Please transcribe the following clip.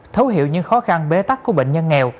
thấu hiểu những khó khăn bế tắc của bệnh nhân nghèo